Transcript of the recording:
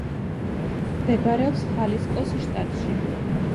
მდებარეობს ხალისკოს შტატში.